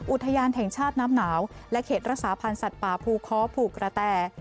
อุทยานแห่งชาติน้ำหนาวและเขตรักษาพันธ์สัตว์ป่าภูค้อภูกระแต